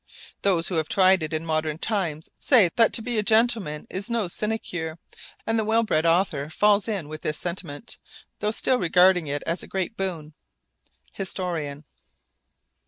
Those who have tried it in modern times say that to be a gentleman is no sinecure, and the well bred author falls in with this sentiment, though still regarding it as a great boon. HISTORIAN.